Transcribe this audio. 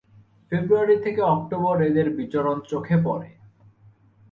ফেব্রুয়ারি থেকে অক্টোবর এদের বিচরণ চোখে পড়ে।